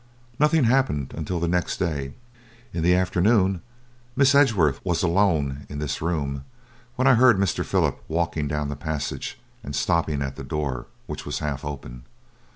"Nothing happened until the next day. In the afternoon Miss Edgeworth was alone in this room, when I heard Mr. Philip walking down the passage, and stopping at the door, which was half open.